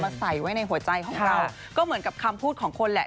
ใส่ไว้ในหัวใจของเราก็เหมือนกับคำพูดของคนแหละ